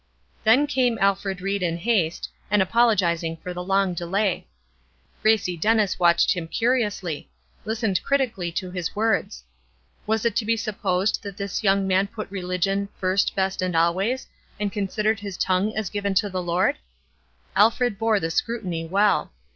Then came Alfred Ried in haste, and apologizing for the long delay. Gracie Dennis, watched him curiously; listened critically to his words. Was it to be supposed that this young man put religion "first, best, and always"; and considered his tongue as given to the Lord? Alfred bore the scrutiny well.